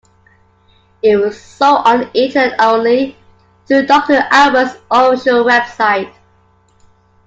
It was sold on the Internet only, through Doctor Alban's official website.